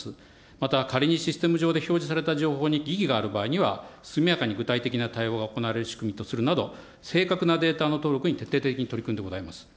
また、仮にシステム上で表示された情報に異議がある場合には、速やかに具体的な対応が行われる仕組みとするなど、正確なデータの登録に徹底的に取り組んでございます。